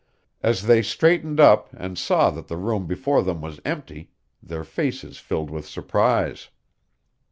As they straightened up and saw that the room before them was empty, their faces filled with surprise.